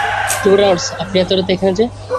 যুবরাজ আপনি এতরাত্রে এখানে যে?